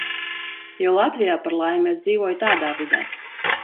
Jo Latvijā, par laimi, es dzīvoju tāda vidē.